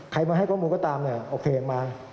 ใครมาให้ข้อมูลก็ตามเนี่ยโอเคออกมา